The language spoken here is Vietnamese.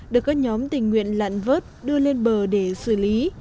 được các nhóm tình nguyện lặn vớt đưa lên bờ để xử lý